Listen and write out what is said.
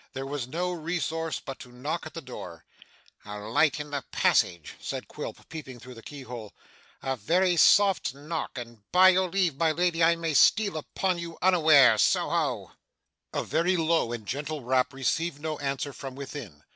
There was no resource but to knock at the door. 'A light in the passage,' said Quilp, peeping through the keyhole. 'A very soft knock; and, by your leave, my lady, I may yet steal upon you unawares. Soho!' A very low and gentle rap received no answer from within.